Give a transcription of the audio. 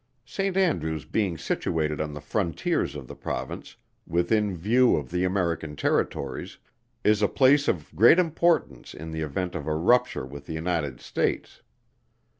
Saint Andrews being situated on the frontiers of the Province, within view of the American territories, is a place of great importance in the event of a rupture with the United States.